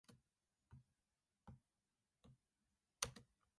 ぶりっ子口調だから心底嫌になっている